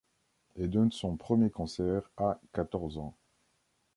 Elle donne son premier concert à quatorze ans.